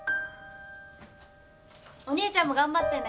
お兄ちゃんも頑張ってね。